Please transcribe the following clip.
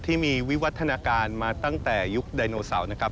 ที่มีวิวัฒนาการมาตั้งแต่ยุคไดโนเสาร์นะครับ